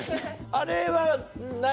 あれは何？